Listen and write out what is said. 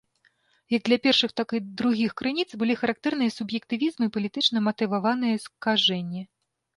Як для першых, так і другіх крыніц былі характэрныя суб'ектывізм і палітычна матываваныя скажэнні.